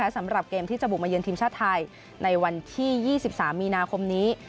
สำหรับเกมที่จะบุกมาเยือนทีมชาติไทยในวันที่๒๓มีนาคมนี้